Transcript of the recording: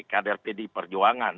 kader pdi perjuangan